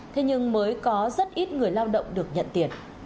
thế nhưng mới có rất ít người lao động được nhận tiền